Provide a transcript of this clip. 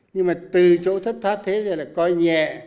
nhưng mà từ chỗ thất thoát thế rồi là coi nhẹ